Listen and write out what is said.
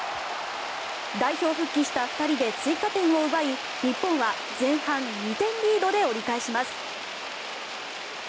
代表復帰した２人で追加点を奪い日本は前半２点リードで折り返します。